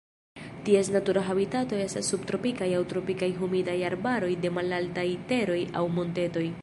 Ties natura habitato estas subtropikaj aŭ tropikaj humidaj arbaroj de malaltaj teroj aŭ montetoj.